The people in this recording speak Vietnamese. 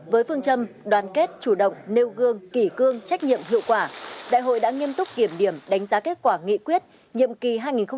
với phương châm đoàn kết chủ động nêu gương kỷ cương trách nhiệm hiệu quả đại hội đã nghiêm túc kiểm điểm đánh giá kết quả nghị quyết nhiệm kỳ hai nghìn một mươi năm hai nghìn hai mươi